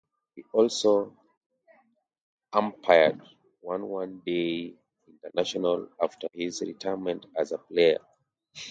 He also umpired one One Day International after his retirement as a player.